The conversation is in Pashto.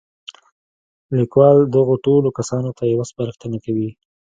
ليکوال دغو ټولو کسانو ته يوه سپارښتنه کوي.